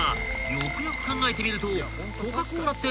よくよく考えてみると］